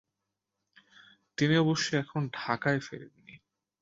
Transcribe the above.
তিনি অবশ্যি এখনো ঢাকায় ফেরেননি।